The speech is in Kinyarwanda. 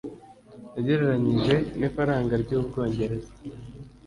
ugereranyije n'ifaranga ry'u Bwongereza